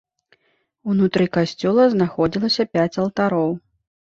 Унутры касцёла знаходзілася пяць алтароў.